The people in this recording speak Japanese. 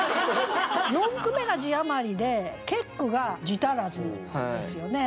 四句目が字余りで結句が字足らずですよね。